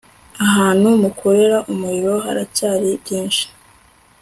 Ahantu mukorera umurimo haracyari byinshi